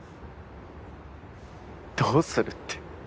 どうするって。